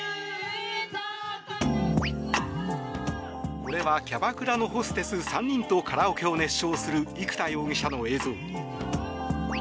これはキャバクラのホステス３人とカラオケを熱唱する生田容疑者の映像。